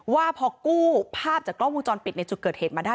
ว่าพอกู้ภาพจากกล้องวงจรปิดในจุดเกิดเหตุมาได้